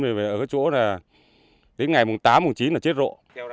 về ở cái chỗ là đến ngày mùng tám mùng chín là chết rộ